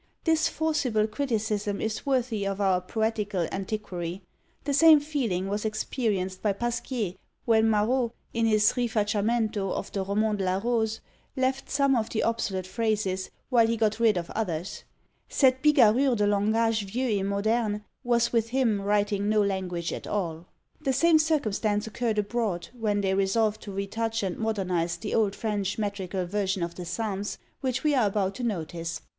This forcible criticism is worthy of our poetical antiquary; the same feeling was experienced by Pasquier, when Marot, in his Rifacciamento of the Roman de la Rose, left some of the obsolete phrases, while he got rid of others; cette bigarrure de langage vieux et moderne, was with him writing no language at all. The same circumstance occurred abroad, when they resolved to retouch and modernise the old French metrical version of the Psalms, which we are about to notice.